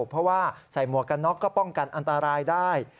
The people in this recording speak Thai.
เพราะว่าใส่หมวกกันน็อกก็ป้องกันอันตรายได้